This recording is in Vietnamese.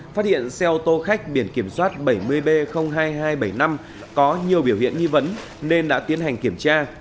phát hiện xe ô tô khách biển kiểm soát bảy mươi b hai nghìn hai trăm bảy mươi năm có nhiều biểu hiện nghi vấn nên đã tiến hành kiểm tra